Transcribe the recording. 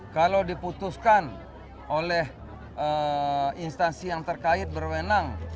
kalau diputuskan oleh instansi yang terkait berwenang